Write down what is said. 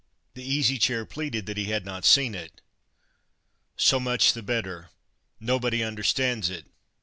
The Easy Chair pleaded that he had not seen it. "So much the better. Nobody understands it.